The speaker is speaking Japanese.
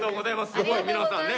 すごい皆さんねえ。